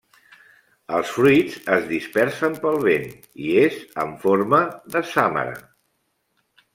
Els fruits es dispersen pel vent i és en forma de sàmara.